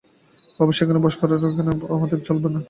বাবার সেখানে বাস করবার মন, এখানে আমাদেব চলে না যে?